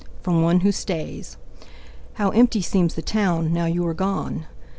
From One Who Stays How empty seems the town now you are gone!